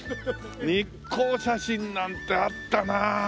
日光写真なんてあったな。